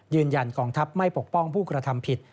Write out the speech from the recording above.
ยืนยันกองทัพไม่ปกป้องผู้กระทำผิด